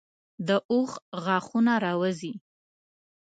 د اوښ غاښونه راوځي.